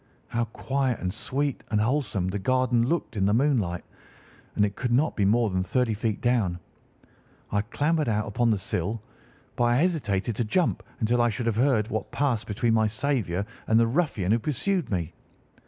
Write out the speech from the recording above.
How quiet and sweet and wholesome the garden looked in the moonlight, and it could not be more than thirty feet down. I clambered out upon the sill, but I hesitated to jump until I should have heard what passed between my saviour and the ruffian who pursued me.